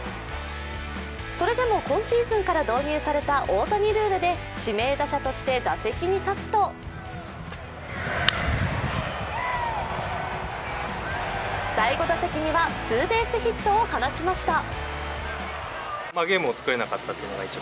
それでも今シーズンから導入された大谷ルールで指名打者として打席に立つと第５打席にはツーベースヒットを放ちました。